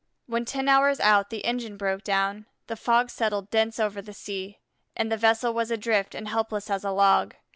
When ten hours out the engine broke down, the fog settled dense over the sea, and the vessel was adrift and helpless as a log.